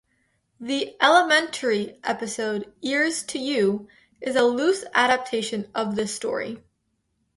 The "Elementary" episode "Ears To You" is a loose adaptation of this story.